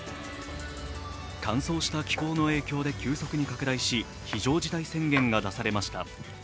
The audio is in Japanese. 乾燥した気候の影響で急速に拡大し非常事態宣言が出されました。